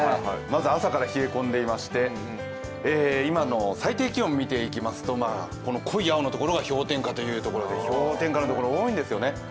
まず、朝から冷え込んでいまして今の最低気温見ていきますと、濃い青のところが氷点下というところで氷点下のところが多いんですね。